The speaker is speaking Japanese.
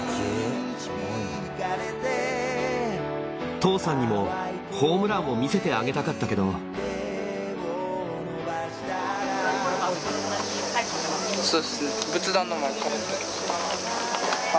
父さんにもホームランを見せてあげたかったけどすごいことよ。